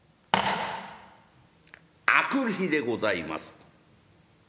明くる日でございます。